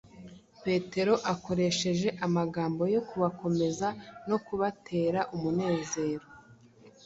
petero akoresheje amagambo yo kubakomeza no kubatera umunezero